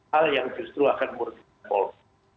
hal yang justru akan murid murid